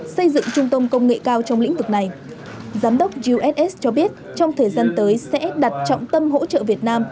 xây dựng trung tâm công nghệ cao trong lĩnh vực này giám đốc uss cho biết trong thời gian tới sẽ đặt trọng tâm hỗ trợ việt nam